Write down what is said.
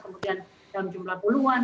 kemudian dalam jumlah puluhan